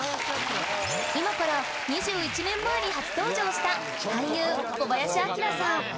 今から２１年前に初登場した俳優小林旭さん